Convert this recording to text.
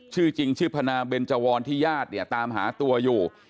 ชื่อจริงชื่อพนาเบนจวรที่ญาติเนี่ยตามหาตัวอยู่